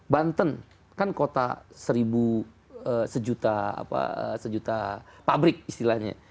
banten kan kota seribu sejuta apa sejuta pabrik istilahnya